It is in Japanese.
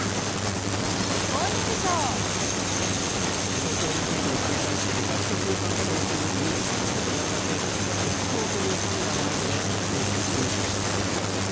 東京オリンピックの開会式で楽曲を担当するミュージシャンの小山田圭吾氏が続投という判断のあとで一転して辞任しました。